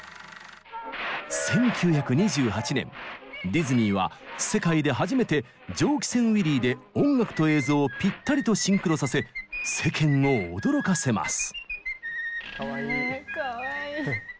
ディズニーは世界で初めて「蒸気船ウィリー」で音楽と映像をピッタリとシンクロさせ世間を驚かせます。